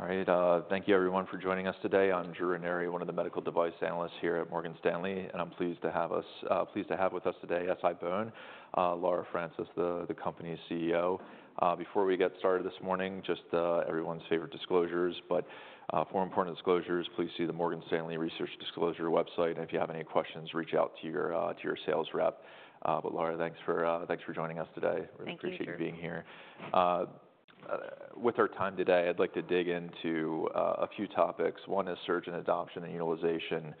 All right, thank you everyone for joining us today. I'm Drew Ranieri, one of the medical device analysts here at Morgan Stanley, and I'm pleased to have with us today, SI-BONE, Laura Francis, the company's CEO. Before we get started this morning, just everyone's favorite disclosures, but for important disclosures, please see the Morgan Stanley Research Disclosure website. And if you have any questions, reach out to your sales rep. But Laura, thanks for joining us today. Thank you, Drew. We appreciate you being here. With our time today, I'd like to dig into a few topics. One is surgeon adoption and utilization.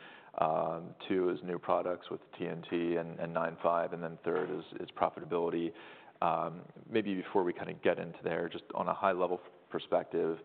Two is new products with TNT and 9.5, and then third is profitability. Maybe before we kind of get into there, just on a high level perspective,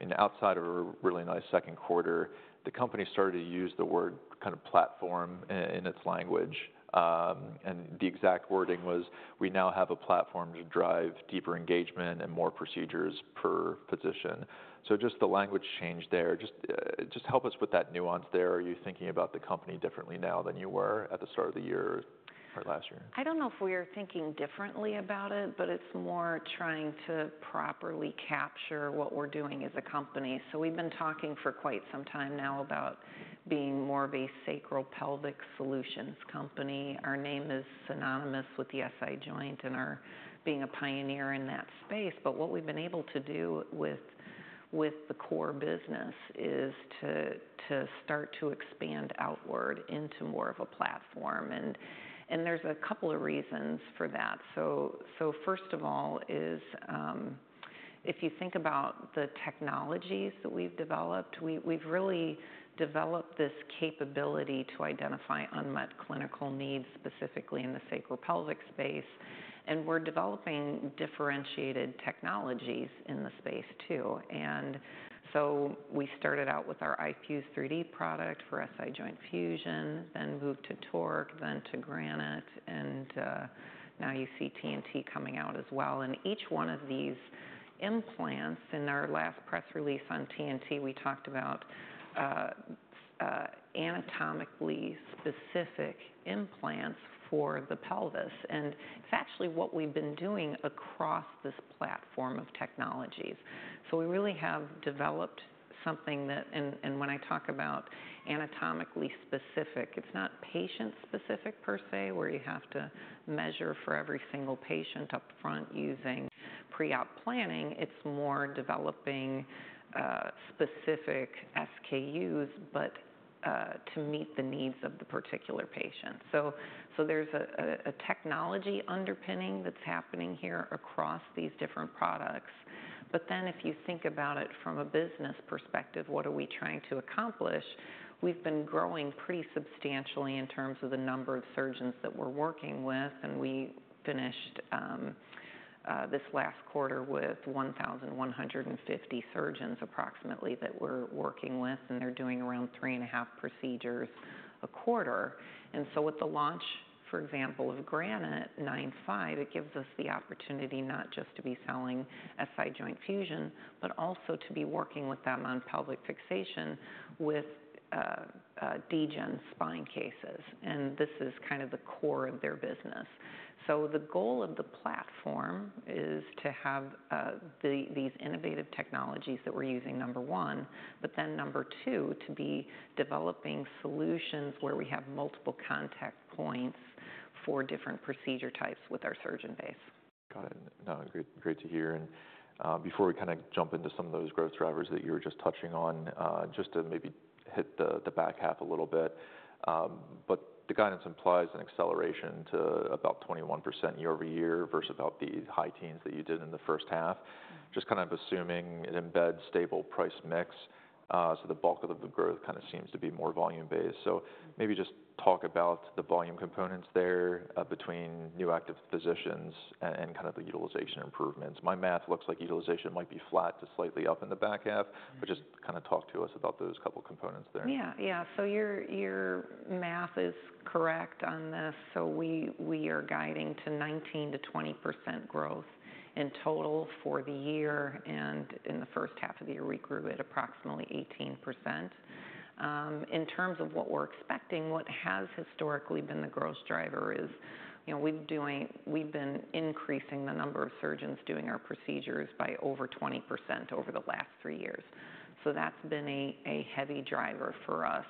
and outside of a really nice Q2, the company started to use the word kind of platform in its language. And the exact wording was, "We now have a platform to drive deeper engagement and more procedures per physician." So just the language change there, just help us with that nuance there. Are you thinking about the company differently now than you were at the start of the year or last year? I don't know if we are thinking differently about it, but it's more trying to properly capture what we're doing as a company. So we've been talking for quite some time now about being more of a sacropelvic solutions company. Our name is synonymous with the SI joint and our being a pioneer in that space. But what we've been able to do with the core business is to start to expand outward into more of a platform, and there's a couple of reasons for that. So first of all is, if you think about the technologies that we've developed, we've really developed this capability to identify unmet clinical needs, specifically in the sacropelvic space. And we're developing differentiated technologies in the space, too. And so we started out with our iFuse 3D product for SI Joint Fusion, then moved to TORQ, then to Granite, and now you see TNT coming out as well. And each one of these implants, in our last press release on TNT, we talked about anatomically specific implants for the pelvis, and it's actually what we've been doing across this platform of technologies. So we really have developed something, and when I talk about anatomically specific, it's not patient specific per se, where you have to measure for every single patient upfront using preop planning. It's more developing specific SKUs, but to meet the needs of the particular patient. So there's a technology underpinning that's happening here across these different products. But then if you think about it from a business perspective, what are we trying to accomplish? We've been growing pretty substantially in terms of the number of surgeons that we're working with, and we finished this last quarter with 1,150 surgeons, approximately, that we're working with, and they're doing around 3.5 procedures a quarter. And so with the launch, for example, of Granite 9.5, it gives us the opportunity not just to be selling SI Joint Fusion, but also to be working with them on pelvic fixation with degenerative spine cases, and this is kind of the core of their business. So the goal of the platform is to have these innovative technologies that we're using, number one, but then number two, to be developing solutions where we have multiple contact points for different procedure types with our surgeon base. Got it. No, great, great to hear. And before we kind of jump into some of those growth drivers that you were just touching on, just to maybe hit the back half a little bit. But the guidance implies an acceleration to about 21% year over year versus about the high teens that you did in the first half. Just kind of assuming it embeds stable price mix, so the bulk of the growth kind of seems to be more volume-based. So maybe just talk about the volume components there, between new active physicians and kind of the utilization improvements. My math looks like utilization might be flat to slightly up in the back half. But just kind of talk to us about those couple components there. Yeah. Yeah. So your, your math is correct on this. So we, we are guiding to 19%-20% growth in total for the year, and in the first half of the year, we grew at approximately 18%. In terms of what we're expecting, what has historically been the growth driver is, you know, we've been increasing the number of surgeons doing our procedures by over 20% over the last three years. So that's been a heavy driver for us,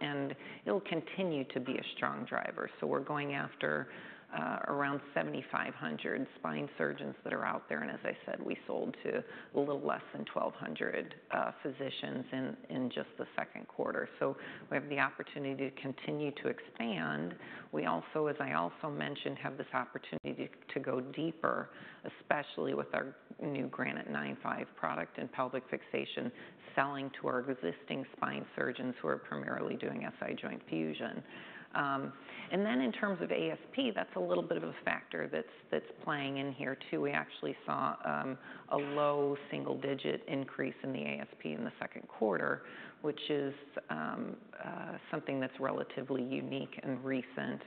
and it'll continue to be a strong driver. So we're going after around 7,500 spine surgeons that are out there, and as I said, we sold to a little less than 1,200 physicians in just the Q2. So we have the opportunity to continue to expand. We also, as I also mentioned, have this opportunity to go deeper, especially with our new Granite 9.5 product and pelvic fixation, selling to our existing spine surgeons who are primarily doing SI Joint Fusion, and then in terms of ASP, that's a little bit of a factor that's playing in here, too. We actually saw a low single-digit increase in the ASP in the Q2, which is something that's relatively unique and recent,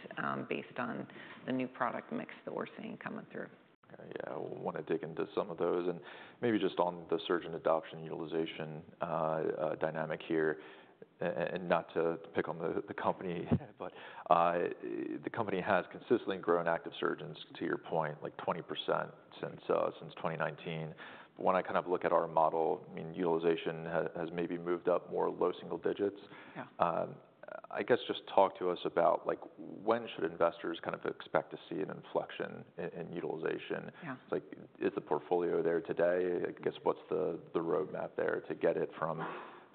based on the new product mix that we're seeing coming through. Okay, yeah. I want to dig into some of those, and maybe just on the surgeon adoption utilization dynamic here. And not to pick on the company, but the company has consistently grown active surgeons, to your point, like 20% since 2019. But when I kind of look at our model, I mean, utilization has maybe moved up more low single digits. Yeah. I guess just talk to us about, like, when should investors kind of expect to see an inflection in utilization? Yeah. Like, is the portfolio there today? I guess, what's the roadmap there to get it from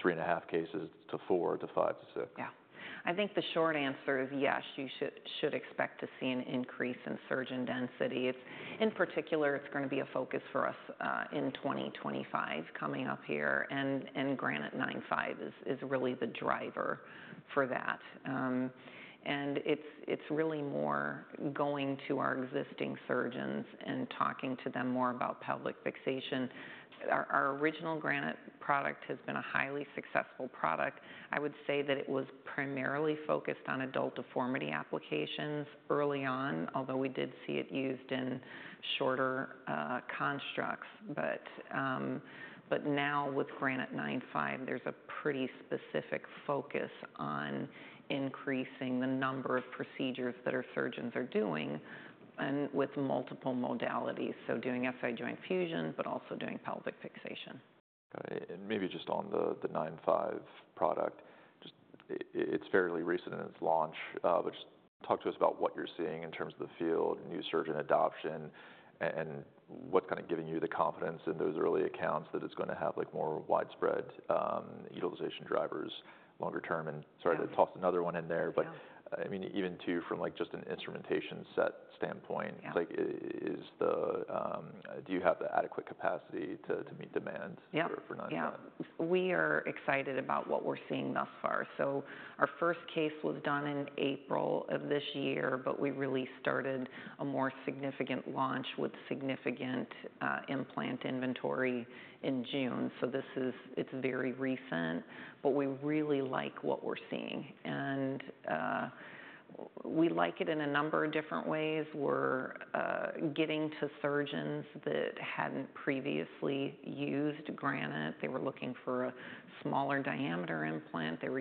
3.5 cases to four, to five, to six? Yeah. I think the short answer is yes, you should expect to see an increase in surgeon density. It's in particular going to be a focus for us in 2025, coming up here, and Granite 9.5 is really the driver for that. And it's really more going to our existing surgeons and talking to them more about pelvic fixation. Our original Granite product has been a highly successful product. I would say that it was primarily focused on adult deformity applications early on, although we did see it used in shorter constructs. But now with Granite 9.5, there's a pretty specific focus on increasing the number of procedures that our surgeons are doing and with multiple modalities. So doing SI Joint Fusion, but also doing pelvic fixation. Okay. And maybe just on the, the 9.5 product, just it's fairly recent in its launch, but just talk to us about what you're seeing in terms of the field, new surgeon adoption, and what's kind of giving you the confidence in those early accounts that it's going to have, like, more widespread, utilization drivers longer term. And sorry to toss another one in there. Yeah. But I mean, even too, from like just an instrumentation set standpoint like, is the, do you have the adequate capacity to meet demands for 9.5? Yeah. We are excited about what we're seeing thus far. So our first case was done in April of this year, but we really started a more significant launch with significant implant inventory in June. So it's very recent, but we really like what we're seeing. And we like it in a number of different ways. We're getting to surgeons that hadn't previously used Granite. They were looking for a smaller diameter implant, they were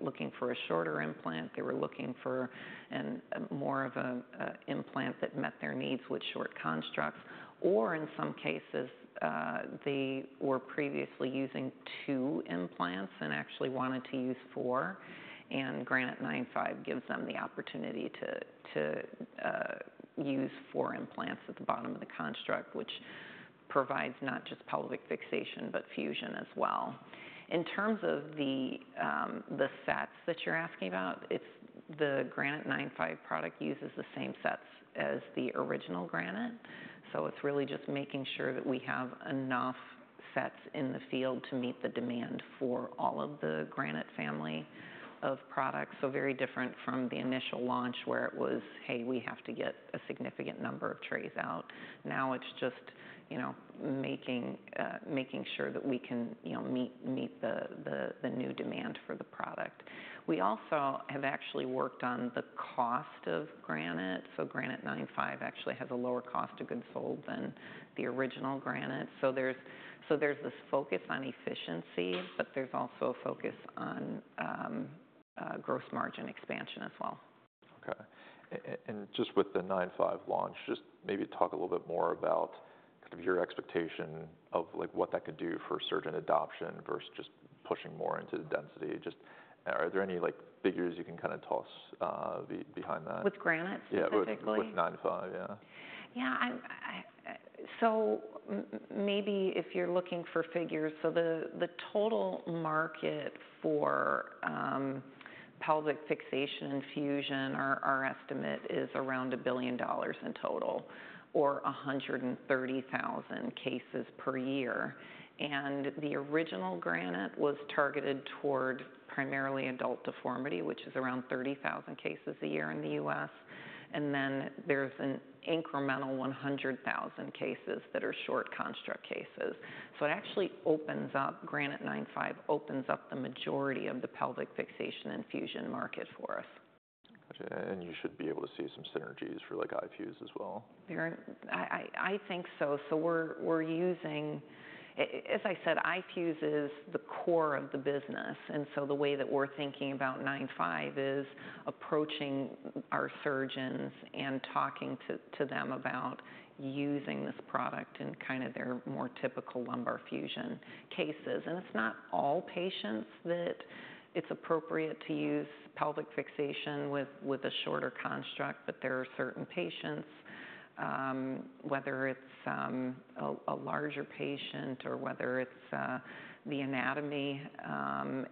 looking for a shorter implant, they were looking for a more of a implant that met their needs with short constructs, or in some cases, they were previously using two implants and actually wanted to use four. And Granite 9.5 gives them the opportunity to use four implants at the bottom of the construct, which provides not just pelvic fixation, but fusion as well. In terms of the sets that you're asking about, it's the Granite 9.5 product uses the same sets as the original Granite. So it's really just making sure that we have enough sets in the field to meet the demand for all of the Granite family of products. So very different from the initial launch, where it was, "Hey, we have to get a significant number of trays out." Now it's just, you know, making sure that we can, you know, meet the new demand for the product. We also have actually worked on the cost of Granite, so Granite 9.5 actually has a lower cost of goods sold than the original Granite. So there's this focus on efficiency, but there's also a focus on gross margin expansion as well. Okay. And just with the 9.5 launch, just maybe talk a little bit more about kind of your expectation of, like, what that could do for surgeon adoption versus just pushing more into the density. Just, are there any, like, figures you can kind of toss behind that? With Granite, specifically? Yeah, with 9.5, yeah. Yeah, so maybe if you're looking for figures, the total market for pelvic fixation and fusion, our estimate is around $1 billion in total or 130,000 cases per year. And the original Granite was targeted toward primarily adult deformity, which is around 30,000 cases a year in the US. And then there's an incremental 100,000 cases that are short construct cases. So it actually opens up, Granite 9.5 opens up the majority of the pelvic fixation and fusion market for us. Gotcha. And you should be able to see some synergies for, like, iFuse as well? Very, I think so. So we're using. As I said, iFuse is the core of the business, and so the way that we're thinking about 9.5 is approaching our surgeons and talking to them about using this product in kind of their more typical lumbar fusion cases. And it's not all patients that it's appropriate to use pelvic fixation with a shorter construct, but there are certain patients, whether it's a larger patient or whether it's the anatomy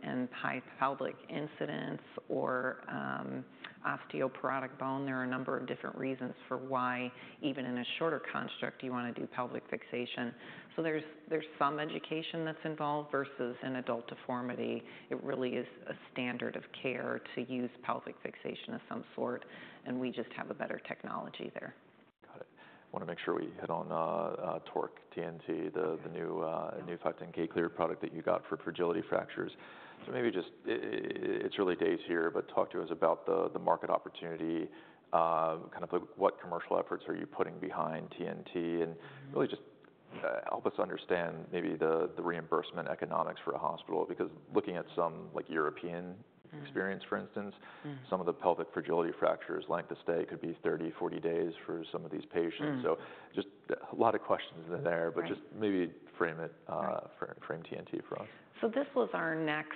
and high pelvic incidence or osteoporotic bone. There are a number of different reasons for why, even in a shorter construct, you want to do pelvic fixation. So there's some education that's involved versus an adult deformity. It really is a standard of care to use pelvic fixation of some sort, and we just have a better technology there. Got it. I want to make sure we hit on TORQ TNT the new 510(k) cleared product that you got for fragility fractures. So maybe just it's early days here, but talk to us about the market opportunity, kind of like what commercial efforts are you putting behind TNT? And really just, help us understand maybe the reimbursement economics for a hospital, because looking at some, like European experience, for instance. Some of the pelvic fragility fractures, length of stay could be 30, 40 days for some of these patients. So just a lot of questions in there. But just maybe frame it iFuse TORQ TNT for us. So this was our next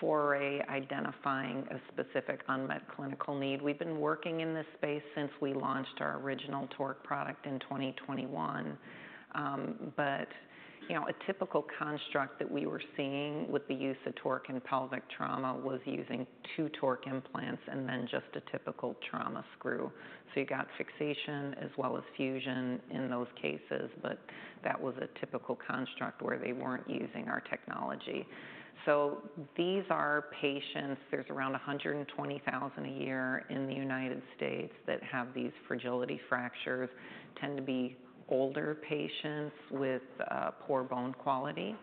foray, identifying a specific unmet clinical need. We've been working in this space since we launched our original TORQ product in 2021. But, you know, a typical construct that we were seeing with the use of TORQ in pelvic trauma was using two TORQ implants and then just a typical trauma screw. So you got fixation as well as fusion in those cases, but that was a typical construct where they weren't using our technology. So these are patients, there's around 120,000 a year in the United States, that have these fragility fractures. Tend to be older patients with poor bone quality,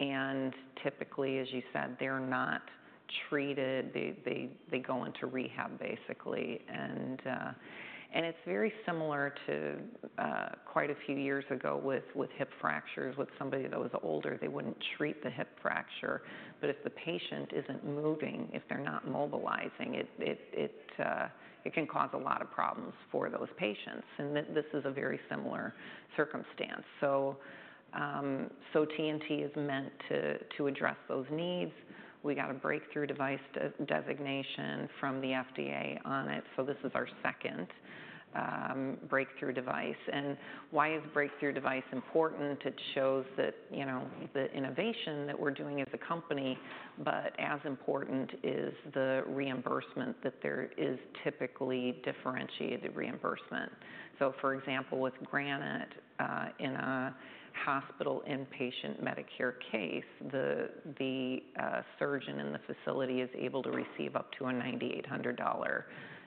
and typically, as you said, they're not treated. They go into rehab, basically, and it's very similar to quite a few years ago with hip fractures. With somebody that was older, they wouldn't treat the hip fracture, but if the patient isn't moving, if they're not mobilizing, it can cause a lot of problems for those patients, and this is a very similar circumstance. So TNT is meant to address those needs. We got a breakthrough device designation from the FDA on it, so this is our second breakthrough device. And why is breakthrough device important? It shows that, you know, the innovation that we're doing as a company, but as important is the reimbursement, that there is typically differentiated reimbursement. So for example, with Granite, in a hospital inpatient Medicare case, the surgeon in the facility is able to receive up to a $9,800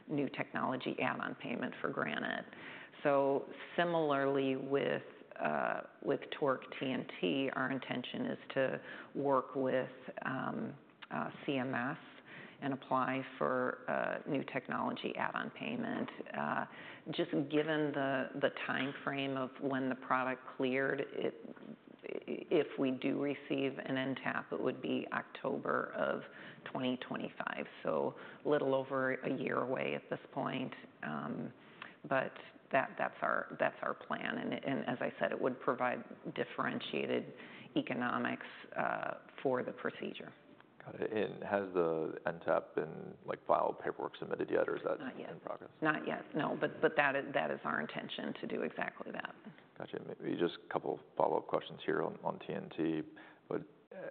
new technology add-on payment for Granite. So similarly with TORQ TNT, our intention is to work with CMS and apply for a new technology add-on payment. Just given the time frame of when the product cleared, if we do receive an NTAP, it would be October of 2025, so a little over a year away at this point. But that's our plan, and as I said, it would provide differentiated economics for the procedure. Got it. And has the NTAP been, like, filed, paperwork submitted yet, or is that- Not yet. -in progress? Not yet, no. But that is our intention to do exactly that. Gotcha. Maybe just a couple of follow-up questions here on TNT. But,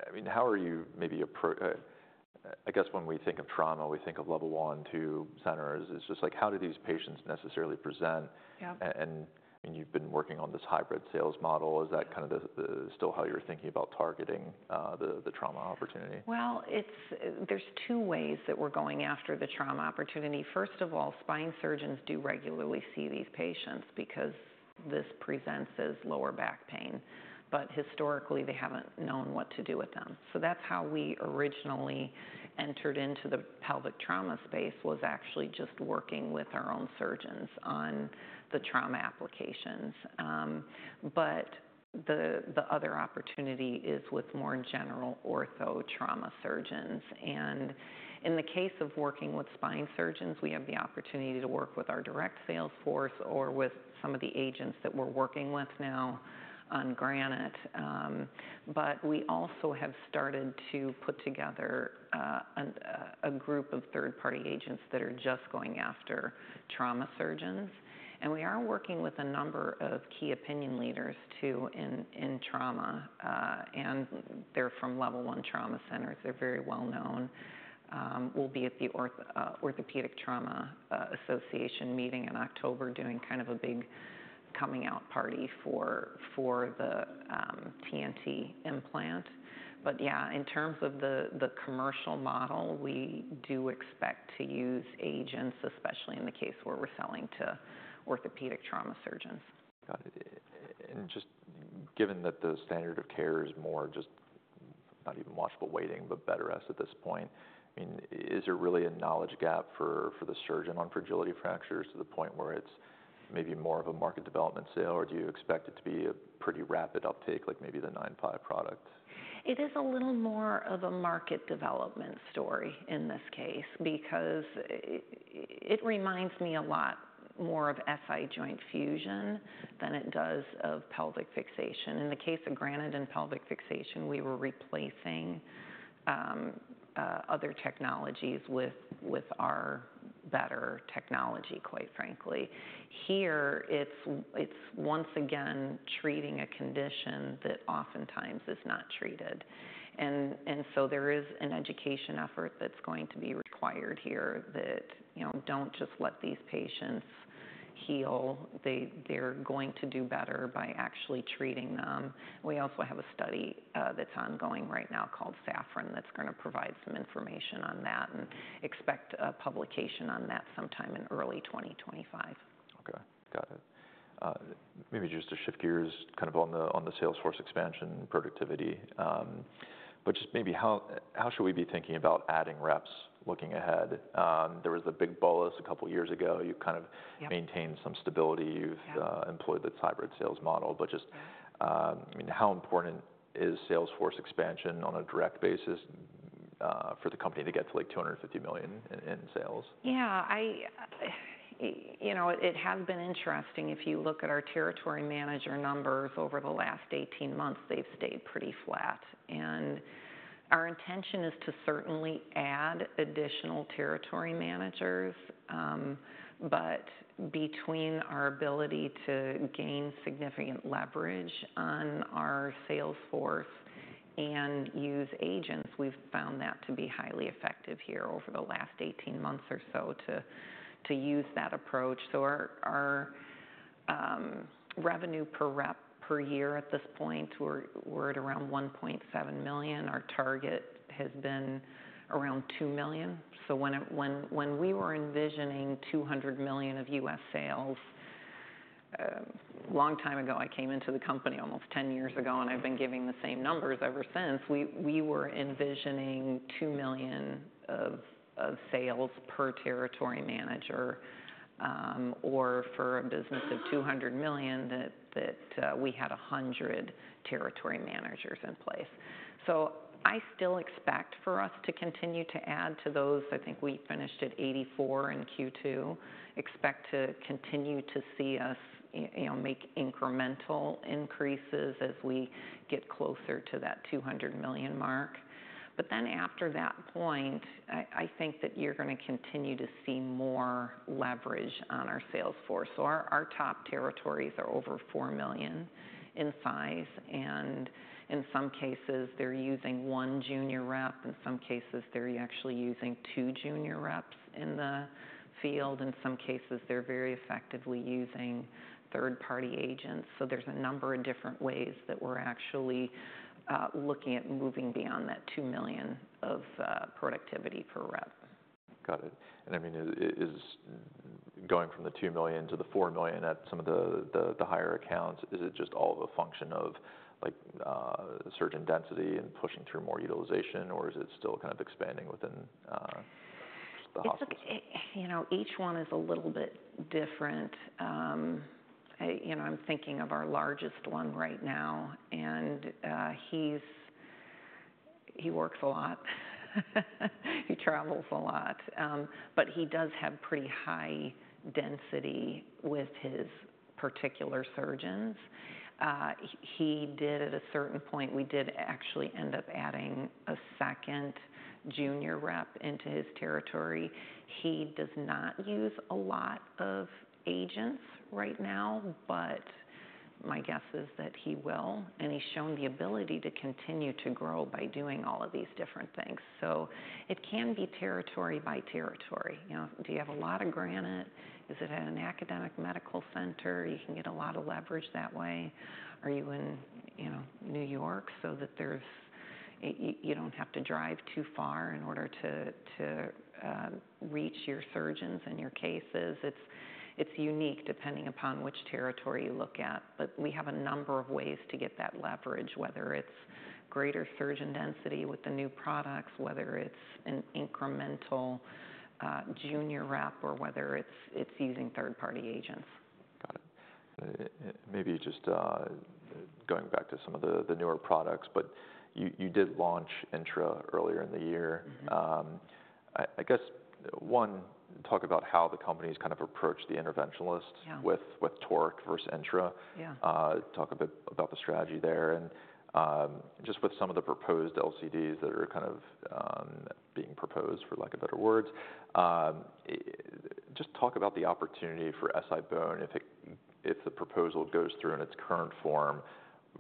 I mean, I guess when we think of trauma, we think of Level I, II centers. It's just like, how do these patients necessarily present? And you've been working on this hybrid sales model. Is that kind of still how you're thinking about targeting the trauma opportunity? It's. There's two ways that we're going after the trauma opportunity. First of all, spine surgeons do regularly see these patients because this presents as lower back pain, but historically, they haven't known what to do with them. So that's how we originally entered into the pelvic trauma space, was actually just working with our own surgeons on the trauma applications. But the other opportunity is with more general ortho trauma surgeons. In the case of working with spine surgeons, we have the opportunity to work with our direct sales force or with some of the agents that we're working with now on Granite. But we also have started to put together a group of third-party agents that are just going after trauma surgeons, and we are working with a number of key opinion leaders, too, in trauma, and they're from Level I trauma centers. They're very well known. We'll be at the Orthopedic Trauma Association meeting in October, doing kind of a big coming out party for the TNT implant. But yeah, in terms of the commercial model, we do expect to use agents, especially in the case where we're selling to orthopedic trauma surgeons. Got it. And just given that the standard of care is more just, not even watchful waiting, but bed rest at this point, I mean, is there really a knowledge gap for the surgeon on fragility fractures to the point where it's maybe more of a market development sale? Or do you expect it to be a pretty rapid uptake, like maybe the NPI product? It is a little more of a market development story in this case, because it reminds me a lot more of SI Joint Fusion than it does of pelvic fixation. In the case of Granite and pelvic fixation, we were replacing other technologies with our better technology, quite frankly. Here, it's once again treating a condition that oftentimes is not treated, and so there is an education effort that's going to be required here that, you know, don't just let these patients heal. They're going to do better by actually treating them. We also have a study that's ongoing right now called SAFFRON, that's gonna provide some information on that, and expect a publication on that sometime in early 2025.... Okay, got it. Maybe just to shift gears kind of on the sales force expansion productivity. But just maybe how should we be thinking about adding reps looking ahead? There was the big bolus a couple years ago. You've kind of maintained some stability. You've employed the hybrid sales model. Just, I mean, how important is sales force expansion on a direct basis for the company to get to, like, $250 million in sales? Yeah, you know, it has been interesting. If you look at our territory manager numbers over the last 18 months, they've stayed pretty flat. And our intention is to certainly add additional territory managers, but between our ability to gain significant leverage on our sales force and use agents, we've found that to be highly effective here over the last 18 months or so to use that approach. So our revenue per rep per year at this point, we're at around $1.7 million. Our target has been around $2 million. So when we were envisioning $200 million of US sales long time ago, I came into the company almost ten years ago, and I've been giving the same numbers ever since, we were envisioning $2 million of sales per territory manager or for a business of $200 million, that we had 100 territory managers in place. So I still expect for us to continue to add to those. I think we finished at 84 in Q2. Expect to continue to see us, you know, make incremental increases as we get closer to that $200 million mark. But then after that point, I think that you're gonna continue to see more leverage on our sales force. So our top territories are over $4 million in size, and in some cases, they're using one junior rep. In some cases, they're actually using two junior reps in the field. In some cases, they're very effectively using third-party agents. So there's a number of different ways that we're actually looking at moving beyond that $2 million of productivity per rep. Got it. And I mean, is going from $2 million to $4 million at some of the higher accounts, is it just all a function of, like, surgeon density and pushing through more utilization, or is it still kind of expanding within the hospitals? It's a, you know, each one is a little bit different. I, you know, I'm thinking of our largest one right now, and he works a lot. He travels a lot, but he does have pretty high density with his particular surgeons. He did at a certain point, we did actually end up adding a second junior rep into his territory. He does not use a lot of agents right now, but my guess is that he will, and he's shown the ability to continue to grow by doing all of these different things. So it can be territory by territory. You know, do you have a lot of Granite? Is it at an academic medical center? You can get a lot of leverage that way. Are you in, you know, New York, so that you don't have to drive too far in order to reach your surgeons and your cases? It's unique, depending upon which territory you look at. But we have a number of ways to get that leverage, whether it's greater surgeon density with the new products, whether it's an incremental junior rep, or whether it's using third-party agents. Got it. Maybe just going back to some of the newer products, but you did launch INTRA earlier in the year. I guess, talk about how the company's kind of approached the interventionalists with TORQ versus INTRA. Yeah. Talk a bit about the strategy there, and just with some of the proposed LCDs that are kind of being proposed, for lack of better words, just talk about the opportunity for SI-BONE if it, if the proposal goes through in its current form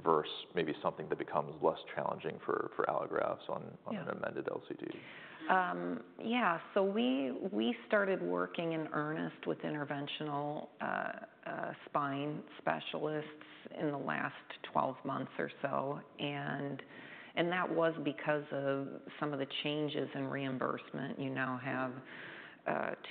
versus maybe something that becomes less challenging for, for allografts on an amended LCD. Yeah, so we started working in earnest with interventional spine specialists in the last 12 months or so, and that was because of some of the changes in reimbursement. You now have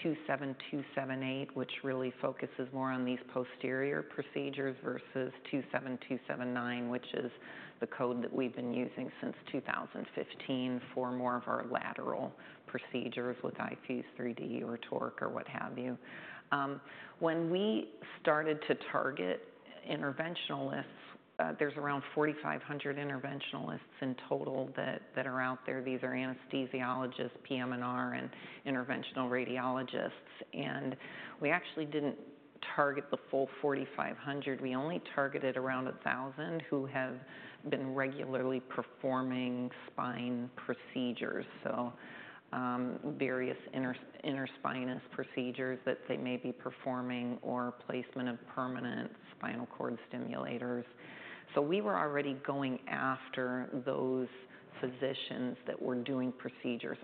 27278, which really focuses more on these posterior procedures, versus 27279, which is the code that we've been using since 2015 for more of our lateral procedures with iFuse 3D or TORQ or what have you. When we started to target interventionalists, there's around 4,500 interventionalists in total that are out there. These are anesthesiologists, PM&R, and interventional radiologists, and we actually didn't target the full 4,500. We only targeted around a thousand who have been regularly performing spine procedures, so various interspinous procedures that they may be performing or placement of permanent spinal cord stimulators. So we were already going after those physicians that were doing procedures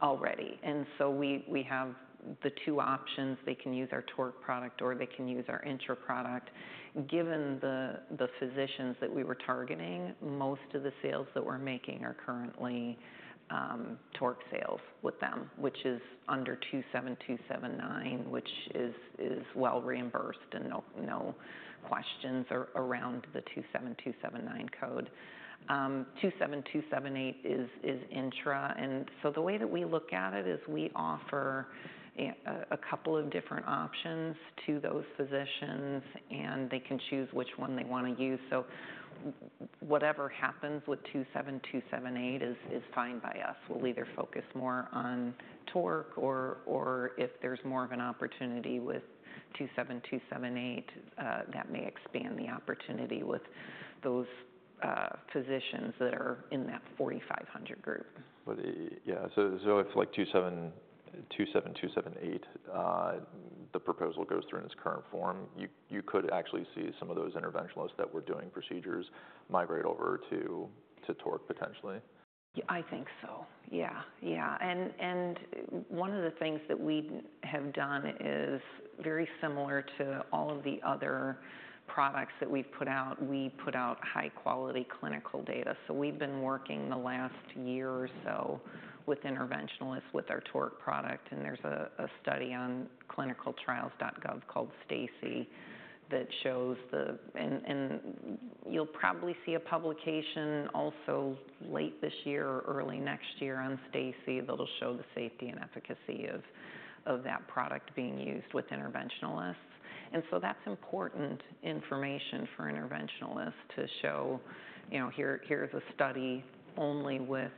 already. And so we have the two options: They can use our TORQ product, or they can use our INTRA product. Given the physicians that we were targeting, most of the sales that we're making are currently TORQ sales with them, which is under 27279, which is well reimbursed and no questions around the 27279 code. 27278 is INTRA. And so the way that we look at it is we offer a couple of different options to those physicians, and they can choose which one they want to use. So whatever happens with 27278 is fine by us. We'll either focus more on Torque or if there's more of an opportunity with 27278, that may expand the opportunity with those physicians that are in that 4,500 group. Yeah, so if, like 27278, the proposal goes through in its current form, you could actually see some of those interventionalists that were doing procedures migrate over to TORQ, potentially? Yeah, I think so. Yeah. Yeah, and one of the things that we have done is very similar to all of the other products that we've put out. We put out high-quality clinical data. So we've been working the last year or so with interventionalists with our TORQ product, and there's a study on clinicaltrials.gov called STACIE that shows the. And you'll probably see a publication also late this year or early next year on STACIE that'll show the safety and efficacy of that product being used with interventionalists. And so that's important information for interventionalists to show, you know, here, here's a study only with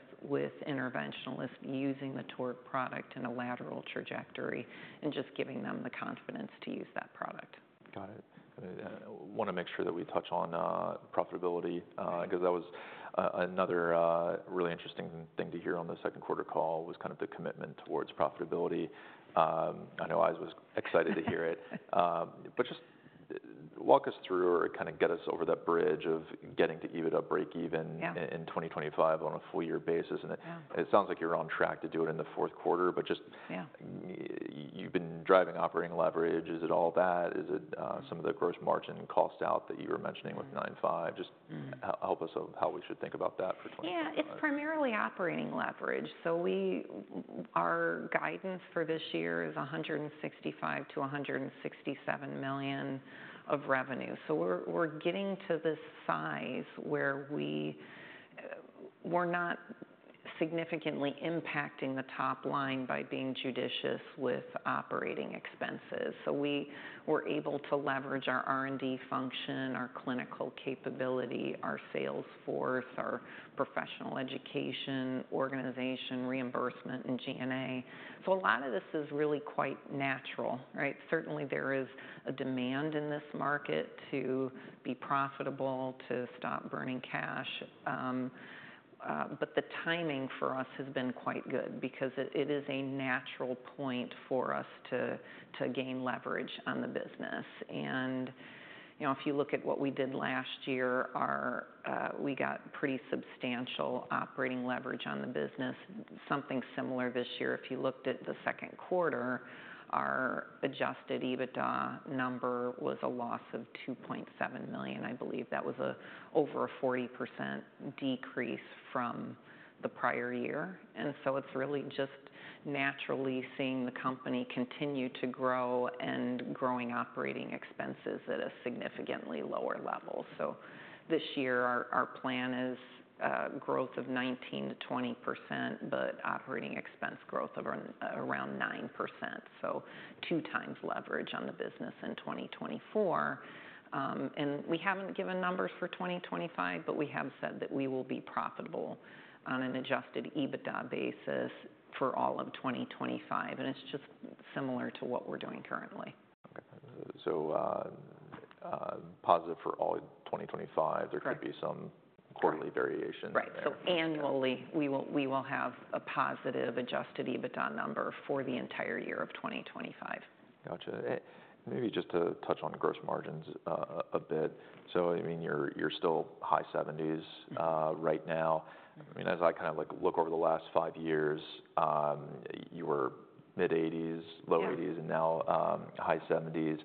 interventionalists using the TORQ product in a lateral trajectory and just giving them the confidence to use that product. Got it. I wanna make sure that we touch on profitability. Because that was another really interesting thing to hear on the Q2 call, was kind of the commitment towards profitability. I know I was excited to hear it. But just walk us through or kinda get us over that bridge of getting to EBITDA breakeven in 2025 on a full year basis. It sounds like you're on track to do it in the Q4, but just you've been driving operating leverage. Is it all that? Is it, some of the gross margin cost out that you were mentioning with 9.5? Just help us on how we should think about that for 2025. Yeah, it's primarily operating leverage. So our guidance for this year is $165-167 million of revenue. So we're getting to the size where we're not significantly impacting the top line by being judicious with operating expenses. So we were able to leverage our R&D function, our clinical capability, our sales force, our professional education, organization, reimbursement, and G&A. So a lot of this is really quite natural, right? Certainly, there is a demand in this market to be profitable, to stop burning cash. But the timing for us has been quite good because it is a natural point for us to gain leverage on the business. And, you know, if you look at what we did last year, we got pretty substantial operating leverage on the business. Something similar this year. If you looked at the Q2, our adjusted EBITDA number was a loss of $2.7 million. I believe that was over a 40% decrease from the prior year, and so it's really just naturally seeing the company continue to grow and growing operating expenses at a significantly lower level. So this year, our plan is growth of 19%-20%, but operating expense growth of around 9%, so two times leverage on the business in 2024, and we haven't given numbers for 2025, but we have said that we will be profitable on an adjusted EBITDA basis for all of 2025, and it's just similar to what we're doing currently. Okay, so positive for all of 2025. Correct. There could be some quarterly variation. Right. Yeah. So annually, we will have a positive adjusted EBITDA number for the entire year of 2025. Gotcha. Maybe just to touch on the gross margins, a bit. So, I mean, you're still high seventies right now. I mean, as I kind of like look over the last five years, you were mid-eighties, low eighties, and now, high seventies.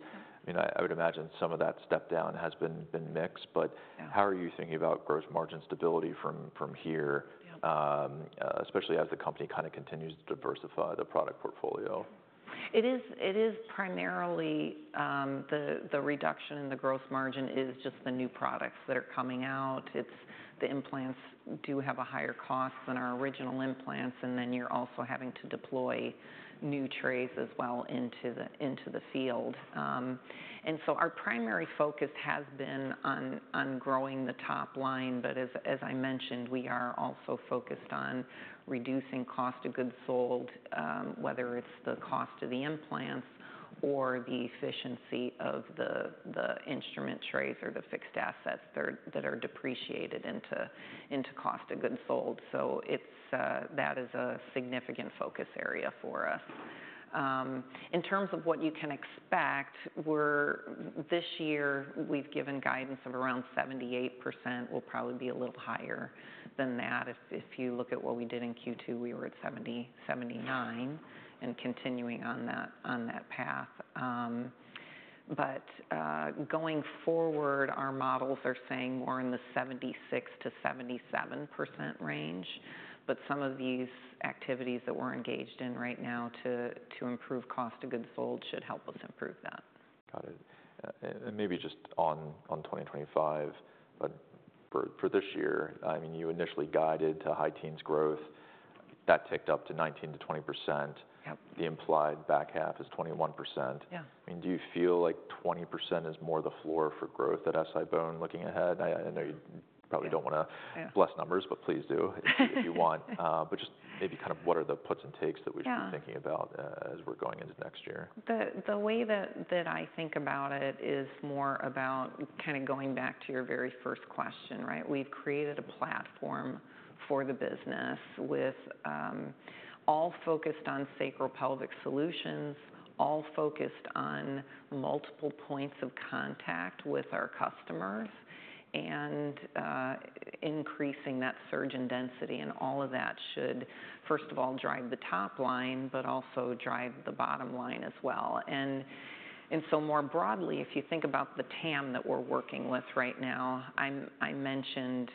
I mean, I would imagine some of that step down has been mixed, but how are you thinking about gross margin stability from here? Especially as the company kind of continues to diversify the product portfolio. Yeah. It is, it is primarily, the, the reduction in the gross margin is just the new products that are coming out. It's the implants do have a higher cost than our original implants, and then you're also having to deploy new trays as well into the, into the field. And so our primary focus has been on, on growing the top line, but as, as I mentioned, we are also focused on reducing cost of goods sold, whether it's the cost of the implants or the efficiency of the, the instrument trays or the fixed assets that are, that are depreciated into, into cost of goods sold. So it's, that is a significant focus area for us. In terms of what you can expect, we're this year, we've given guidance of around 78%. We'll probably be a little higher than that. If you look at what we did in Q2, we were at 79%, and continuing on that path. But going forward, our models are saying more in the 76%-77% range, but some of these activities that we're engaged in right now to improve cost of goods sold should help us improve that. Got it. And maybe just on 2025, but for this year, I mean, you initially guided to high teens growth. That ticked up to 19%-20%. Yep. The implied back half is 21%. I mean, do you feel like 20% is more the floor for growth at SI-BONE looking ahead? I know you probably don't wanna less numbers, but please do if you want. But just maybe kind of what are the puts and takes that we should be thinking about, as we're going into next year? The way that I think about it is more about kind of going back to your very first question, right? We've created a platform for the business with all focused on sacropelvic solutions, all focused on multiple points of contact with our customers, and increasing that surgeon density. And all of that should, first of all, drive the top line, but also drive the bottom line as well. And so more broadly, if you think about the TAM that we're working with right now, I mentioned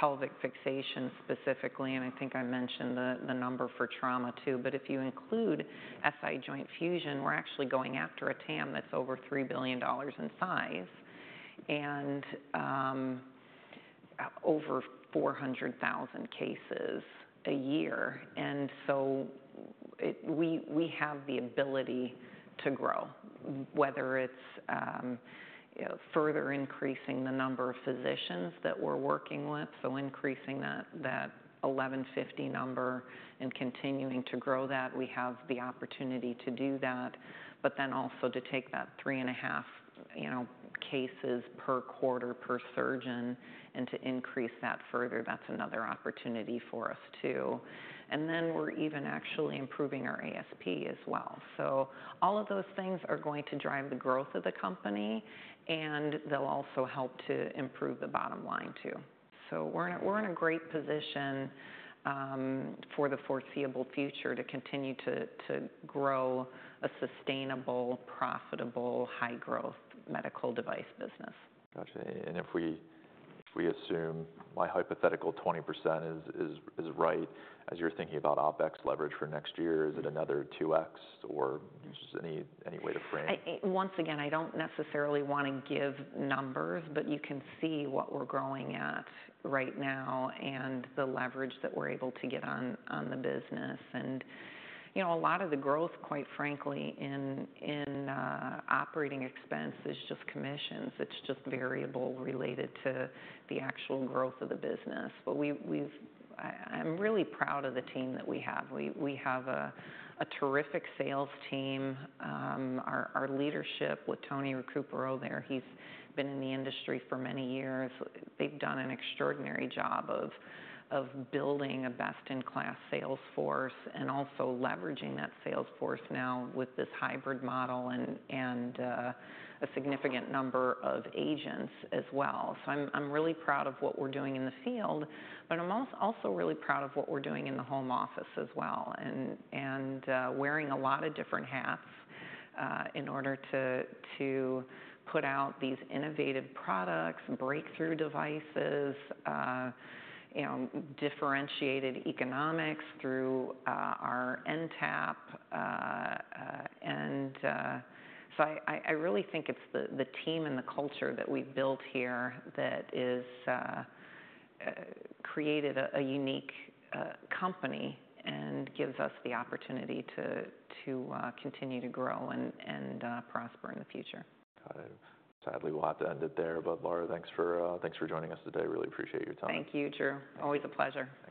pelvic fixation specifically, and I think I mentioned the number for trauma too. But if you include SI Joint Fusion, we're actually going after a TAM that's over $3 billion in size, and over 400,000 cases a year. We have the ability to grow, whether it's, you know, further increasing the number of physicians that we're working with, so increasing that 1,150 number and continuing to grow that. We have the opportunity to do that. But then also to take that 3.5, you know, cases per quarter per surgeon and to increase that further. That's another opportunity for us, too. And then we're even actually improving our ASP as well. So all of those things are going to drive the growth of the company, and they'll also help to improve the bottom line, too. We're in a great position for the foreseeable future to continue to grow a sustainable, profitable, high-growth medical device business. Gotcha. And if we assume my hypothetical 20% is right, as you're thinking about OpEx leverage for next year, is it another 2X, or just any way to frame it? Once again, I don't necessarily want to give numbers, but you can see what we're growing at right now and the leverage that we're able to get on the business. And, you know, a lot of the growth, quite frankly, in operating expense is just commissions. It's just variable related to the actual growth of the business. But we've. I'm really proud of the team that we have. We have a terrific sales team. Our leadership with Tony Recupero there, he's been in the industry for many years. They've done an extraordinary job of building a best-in-class sales force and also leveraging that sales force now with this hybrid model and a significant number of agents as well. So I'm really proud of what we're doing in the field, but I'm also really proud of what we're doing in the home office as well, and wearing a lot of different hats in order to put out these innovative products, breakthrough devices, you know, differentiated economics through our NTAP. So I really think it's the team and the culture that we've built here that is created a unique company and gives us the opportunity to continue to grow and prosper in the future. Got it. Sadly, we'll have to end it there. But Laura, thanks for joining us today. Really appreciate your time. Thank you, Drew. Always a pleasure. Thanks.